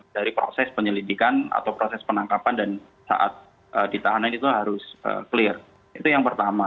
dari proses penyelidikan atau proses penangkapan dan saat ditahanan itu harus clear itu yang pertama